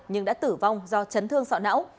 nhưng đã tử vong do chấn thương sọ não